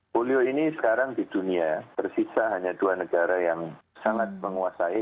polio ini sekarang di dunia tersisa hanya dua negara yang sangat menguasai